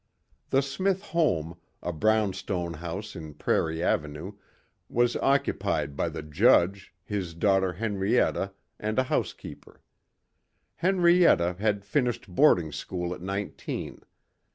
The Smith home, a brownstone house in Prairie Avenue, was occupied by the Judge, his daughter Henrietta and a housekeeper. Henrietta had finished boarding school at nineteen.